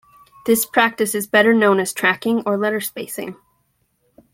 This practice is known as tracking or letterspacing.